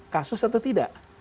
kasus atau tidak